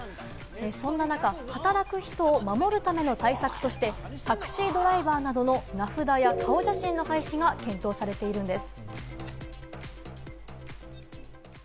そんな中、働く人を守るための対策として、タクシードライバーなどの名札や顔写真の廃止が検討されているんです。